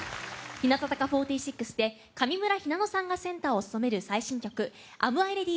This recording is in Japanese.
日向坂４６で上村ひなのさんがセンターを務める最新曲「ＡｍＩｒｅａｄｙ？」。